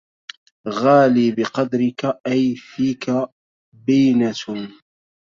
غالي بقدرك أيٌ فيكِ بينةٌ